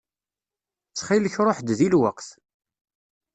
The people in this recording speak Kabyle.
Ttxil-k ṛuḥ-d di lweqt.